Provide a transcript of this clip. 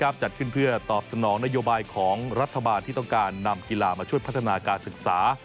จัดขึ้นเพื่อตอบสนองนโยบายของรัฐบาลที่ต้องการนำกีฬามาช่วยพัฒนาการศึกษา